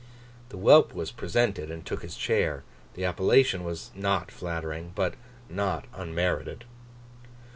The whelp was presented, and took his chair. The appellation was not flattering, but not unmerited.